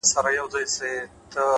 عادتونه د انسان راتلونکی لیکي’